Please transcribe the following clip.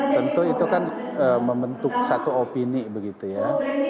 tentu itu kan membentuk satu opini begitu ya